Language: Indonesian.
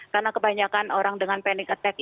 karena kebanyakan orang dengan panic attack itu